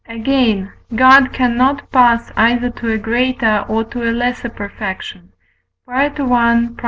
Again, God cannot pass either to a greater or to a lesser perfection (I.